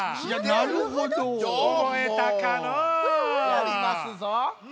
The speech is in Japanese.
やりますぞ。